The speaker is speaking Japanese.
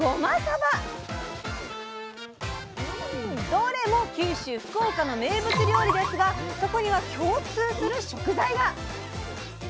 どれも九州福岡の名物料理ですがそこには共通する食材が。